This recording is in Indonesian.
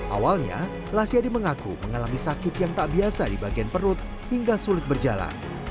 awalnya lasiadi mengaku mengalami sakit yang tak biasa di bagian perut hingga sulit berjalan